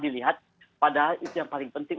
dilihat padahal itu yang paling penting